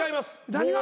何が？